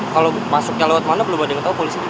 kalau masuknya lewat mana belum ada yang tahu polisi